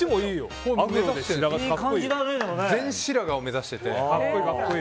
全白髪を目指してて。